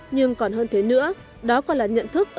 nhưng còn hơn thế nữa đó còn là nhận thức